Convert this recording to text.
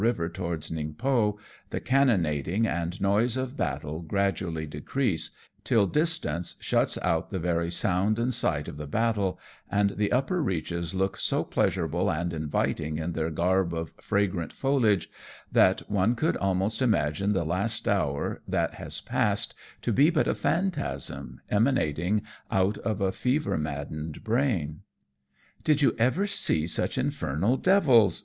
river towards Ningpo, the cannonading and noise of battle gradually decrease^ till distance shuts out the very sound and sight of the battle, and the upper reaches look so pleasurable and inviting in their garb of fragrant foliage, that one could almost imagine the last hour that has passed to be but a phantasm, emanating out of a fever maddened brain. " Did you ever see such infernal devils